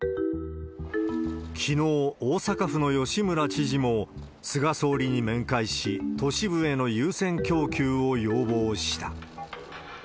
きのう、大阪府の吉村知事も菅総理に面会し、都市部への優先供給を要望した。